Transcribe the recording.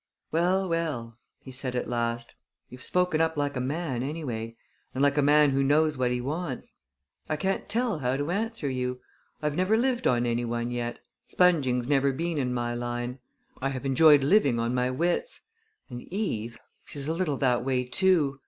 "Well, well!" he said at last. "You've spoken up like a man, anyway and like a man who knows what he wants. I can't tell how to answer you. I have never lived on any one yet. Sponging's never been in my line. I have enjoyed living on my wits. And Eve she's a little that way, too.